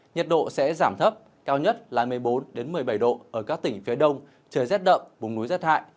nhiệt độ sẽ giảm thấp cao nhất là một mươi bốn một mươi bảy độ ở các tỉnh phía đông trời rét đậm vùng núi rét hại